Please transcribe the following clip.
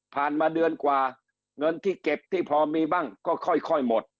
มาเดือนกว่าเงินที่เก็บที่พอมีบ้างก็ค่อยหมด